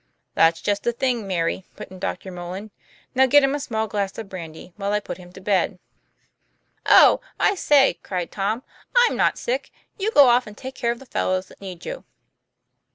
" That's just the thing, Mary," put in Dr. Mullan. " Now get him a small glass of brandy, while I put him to bed. 124 TOM PLAYFAIR. "Oh, I say," cried Tom. "I'm not sick: you go off and take care of the fellows that need you."